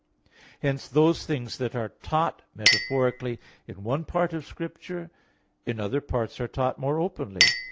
Hence those things that are taught metaphorically in one part of Scripture, in other parts are taught more openly.